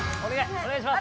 お願いします！